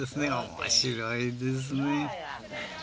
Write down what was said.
面白いですね。